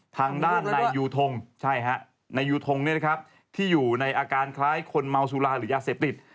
ทางด้านนายยูทงนายยูทงที่อยู่ในอาการคล้ายคนเมาสุราหรือยาเสพติด